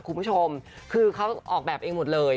คุณผู้ชมคือเขาออกแบบเองหมดเลย